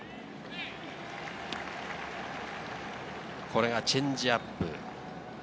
これがチェンジアップ。